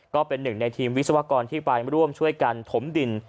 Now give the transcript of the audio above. ก็เป็นหนึ่งในทีมวิศวกรที่ไปร่วมช่วยกันถมดิน